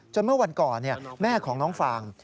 เมื่อวันก่อนแม่ของน้องฟาง